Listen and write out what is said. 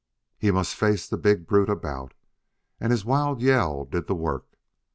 He must face the big brute about, and his wild yell did the work.